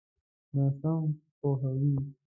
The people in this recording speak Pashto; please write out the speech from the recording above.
ناسم پوهاوی.